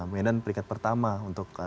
medan perikat pertama untuk kata kata